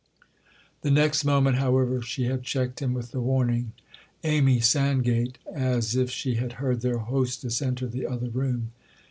The next moment, however, she had checked him with the warning "Amy Sandgate!"—as if she had heard their hostess enter the other room.